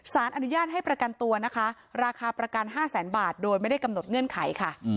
สารอนุญาตให้ประกันตัวนะคะราคาประกัน๕แสนบาทโดยไม่ได้กำหนดเงื่อนไขค่ะ